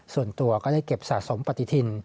ส่วนตัวก็ได้เก็บสะสมปฏิทิน